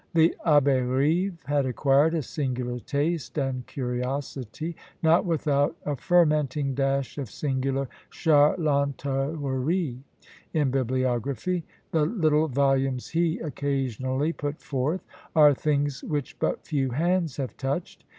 The Abbé Rive had acquired a singular taste and curiosity, not without a fermenting dash of singular charlatanerie, in bibliography: the little volumes he occasionally put forth are things which but few hands have touched.